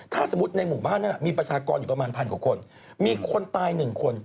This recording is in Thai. ถ้าสมมุติในหมู่บ้านนั้นมีประชากรอยู่ประมาณพันกว่าคนมีคนตาย๑คน